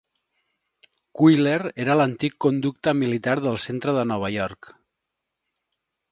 Cuyler era a l'antic conducte militar del centre de Nova York.